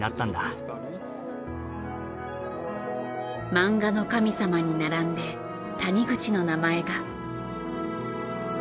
漫画の神様に並んで谷口の名前が。